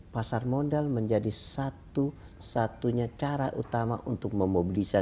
pasar modal menjadi satu satunya cara utama untuk memobilisasi